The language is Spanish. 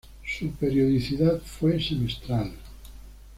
Su periodicidad fue semestral.